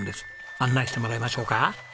案内してもらいましょうか。